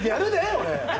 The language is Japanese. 俺！